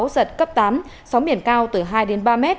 giật cấp tám sóng biển cao từ hai ba m